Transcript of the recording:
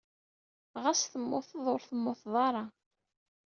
Ɣas temmuteḍ, ur temmuteḍ ara.